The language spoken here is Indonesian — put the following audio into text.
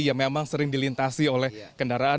yang memang sering dilintasi oleh kendaraan